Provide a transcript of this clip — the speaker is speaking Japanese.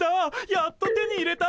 やっと手に入れた！